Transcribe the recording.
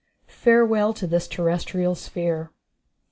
Farewell To This Terrestrial Sphere.